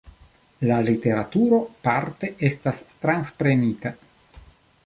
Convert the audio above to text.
La literaturo parte estas transprenita.